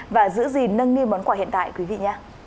và giữ gìn nâng niên món quà hiện tại quý vị nhé